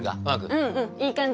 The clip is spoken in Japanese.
うんうんいい感じ。